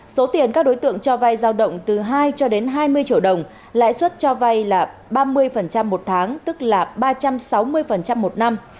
số tiền các đối tượng cho vay giao động từ hai cho đến hai mươi triệu đồng lãi suất cho vay là ba mươi một tháng tức là ba trăm sáu mươi một năm